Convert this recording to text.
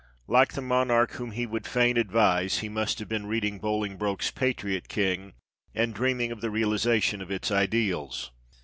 Like the monarch whom he would fain advise, he must have been reading Bolingbroke's " Patriot King," and dream ing of the realization of its ideals.